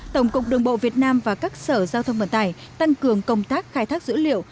tổng cục đường bộ việt nam và các sở giao thông vận tải tăng cường công tác khai thác dữ liệu